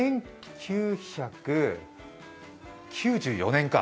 で、１９９４年か、